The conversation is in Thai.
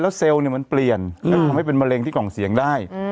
เซลล์มันเปลี่ยนแล้วทำให้เป็นมะเร็งที่กล่องเสียงได้